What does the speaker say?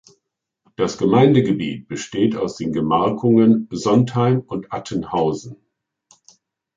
Das Gemeindegebiet besteht aus den Gemarkungen Sontheim und Attenhausen.